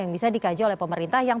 yang bisa dikaji oleh pemerintah yang